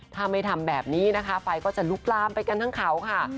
ถ้าไม่ทำแบบนี้นะคะไฟก็จะลุกลามไปกันทั้งเขาค่ะ